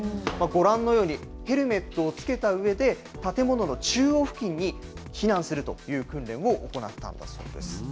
ご覧のようにヘルメットをつけたうえで、建物の中央付近に避難するという訓練を行ったんだそうです。